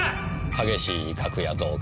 激しい威嚇や恫喝。